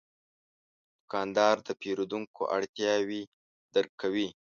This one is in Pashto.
دوکاندار د پیرودونکو اړتیاوې درک کوي.